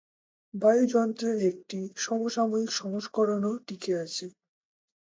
বায়ুযন্ত্রের একটি সমসাময়িক সংস্করণও টিকে আছে।